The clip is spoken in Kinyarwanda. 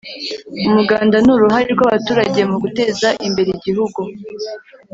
Umuganda ni uruhare rw abaturage mu guteza imbere igihugu